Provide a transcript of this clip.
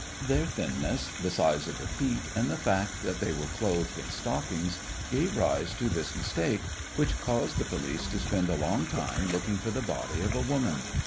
Their thinness, the size of the feet, and the fact that they were clothed in stockings, gave rise to this mistake, which caused the police to spend a long time looking for the body of a woman.